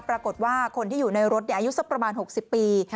ปรากฏว่าคนที่อยู่ในรถเนี่ยอายุสักประมาณหกสิบปี